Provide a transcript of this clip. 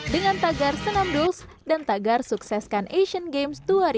dengan tagar senam duls dan tagar sukseskan asian games dua ribu delapan belas